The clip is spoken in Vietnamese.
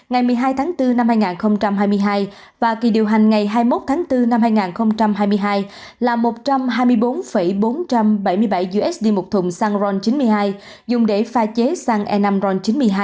giá xăng dầu xăng dầu trên thế giới giữa kỳ điều hành là một trăm hai mươi bốn bốn trăm bảy mươi bảy usd một thùng xăng ron chín mươi hai dùng để pha chế xăng e năm ron chín mươi hai